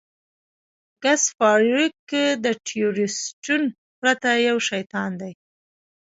ګس فارویک د ټسټورسټون پرته یو شیطان دی